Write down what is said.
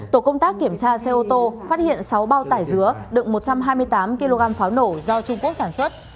tổ công tác kiểm tra xe ô tô phát hiện sáu bao tải dứa đựng một trăm hai mươi tám kg pháo nổ do trung kết sản xuất